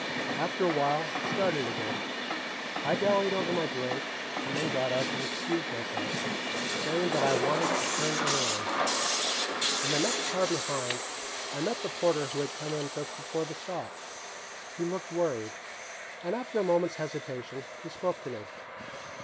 After a while, it started again. I dallied over my drink, and then got up and excused myself, saying that I wanted to turn in early. In the next car behind, I met the porter who had come in just before the stop. He looked worried, and after a moment's hesitation, he spoke to me.